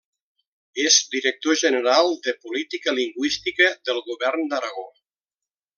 És director general de Política Lingüística del Govern d'Aragó.